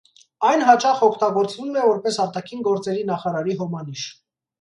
Այն հաճախ օգտագործվում է որպես արտաքին գործերի նախարարի հոմանիշ։